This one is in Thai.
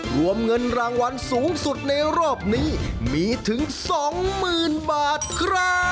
รวมเงินรางวัลสูงสุดในรอบนี้มีถึง๒๐๐๐บาทครับ